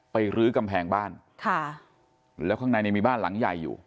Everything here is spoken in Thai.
รื้อกำแพงบ้านค่ะแล้วข้างในเนี่ยมีบ้านหลังใหญ่อยู่